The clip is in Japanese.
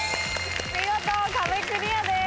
見事壁クリアです。